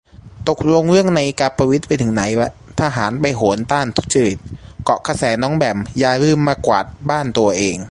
ตกลงเรื่องนาฬิกาประวิตรไปถึงไหนละ ทหารไปโหนต้านทุจริต เกาะกระแสน้องแบม อย่าลืมมากวาดบ้านตัวเอง